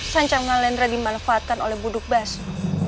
sancam nalendra dimanfaatkan oleh buduk basu